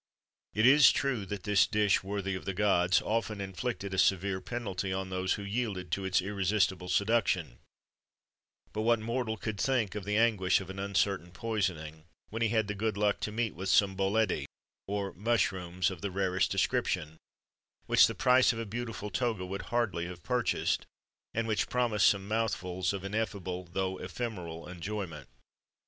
[XXIII 116] It is true that this dish, worthy of the gods, often inflicted a severe penalty on those who yielded to its irresistible seduction; but what mortal could think of the anguish of an uncertain poisoning, when he had the good luck to meet with some boleti, or mushrooms, of the rarest description, which the price of a beautiful toga would hardly have purchased,[XXIII 117] and which promised some mouthfuls of ineffable, although ephemeral enjoyment?